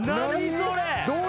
それ。